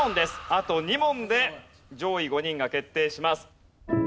あと２問で上位５人が決定します。